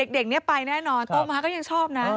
เด็กนี้ไปแน่นอนตัวมันก็ชอบนะ